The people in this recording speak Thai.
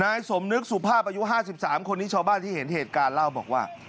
สมนึกสุภาพอายุ๕๓คนนี้ชาวบ้านที่เห็นเหตุการณ์เล่าบอกว่า